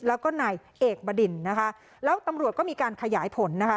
แล้วก็นายเอกบดินนะคะแล้วตำรวจก็มีการขยายผลนะคะ